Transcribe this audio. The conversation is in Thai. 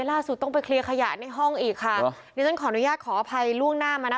ล่าสุดต้องไปเคลียร์ขยะในห้องอีกค่ะดิฉันขออนุญาตขออภัยล่วงหน้ามานะ